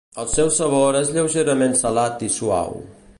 El seu sabor és lleugerament salat i suau.